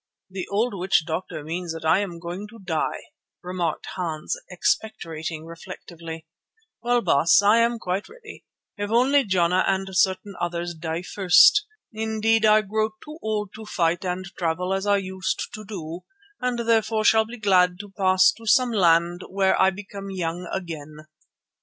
"The old witch doctor means that I am going to die," remarked Hans expectorating reflectively. "Well, Baas, I am quite ready, if only Jana and certain others die first. Indeed I grow too old to fight and travel as I used to do, and therefore shall be glad to pass to some land where I become young again."